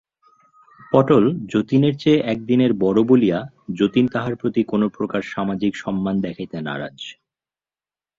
পটল যতীনের চেয়ে একদিনের বড়ো বলিয়া যতীন তাহার প্রতি কোনোপ্রকার সামাজিক সম্মান দেখাইতে নারাজ।